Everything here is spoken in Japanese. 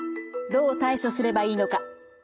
どう対処すればいいのか。